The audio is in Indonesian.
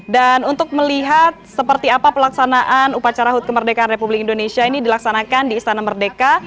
dan untuk melihat seperti apa pelaksanaan upacara hut kemerdekaan republik indonesia ini dilaksanakan di istana merdeka